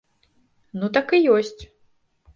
Ну так і ёсць.